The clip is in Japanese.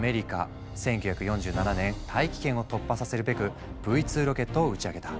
１９４７年大気圏を突破させるべくＶ２ロケットを打ち上げた。